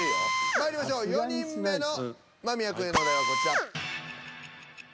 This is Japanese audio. まいりましょう４人目の間宮くんへのお題はこちら。